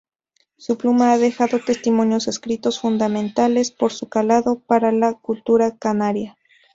Su pluma ha dejado testimonios escritos fundamentales, por su calado, para la cultura canaria.